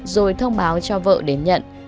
rồi thông báo cho vợ đến nhận